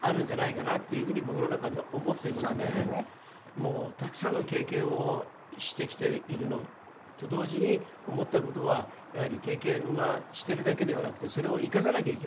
もうたくさんの経験をしてきているのと同時に思った事はやはり経験はしてるだけではなくてそれを生かさなきゃいけないなって。